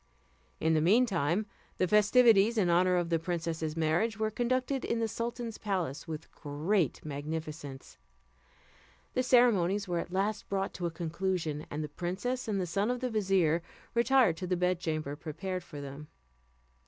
In the mean time the festivities in honour of the princess's marriage were conducted in the sultan's palace with great magnificence. The ceremonies were at last brought to a conclusion, and the princess and the son of the vizier retired to the bedchamber prepared for them.